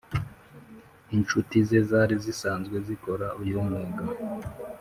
inshuti ze zari zisanzwe zikora uyu mwuga